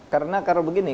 karena kalau begini